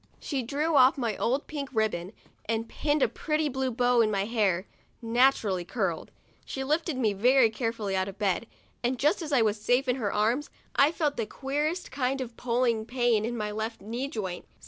She drew off my old pink ribbon, and pinned a pretty blue bow in my hair, nat urally curly. She lifted me very carefully out of bed, and just as I was safe in her arms, I felt the queerest kind of pulling pain in my left knee joint.